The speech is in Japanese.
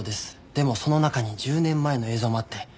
でもその中に１０年前の映像もあって。